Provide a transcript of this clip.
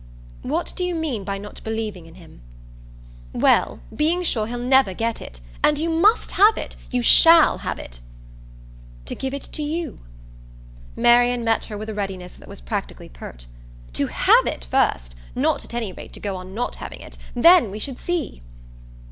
"What do you mean by not believing in him?" "Well, being sure he'll never get it. And you MUST have it. You SHALL have it." "To give it to you?" Marian met her with a readiness that was practically pert. "To HAVE it, first. Not at any rate to go on not having it. Then we should see."